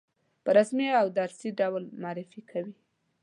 په رسمي او درسي ډول معرفي کوي.